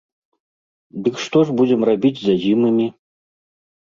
Дык што ж будзем рабіць з азімымі?